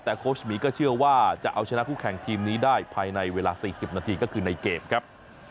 แต่โค้ชหมีก็เชื่อว่าจะเอาชนะคู่แข่งทีมนี้ได้ภายในเวลา๔๐นาทีก็คือในเกมครับ